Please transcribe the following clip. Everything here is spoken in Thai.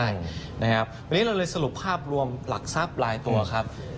วันนี้เราเลยสรุปภาพรวมหลักทรัพย์ลายตัวครับ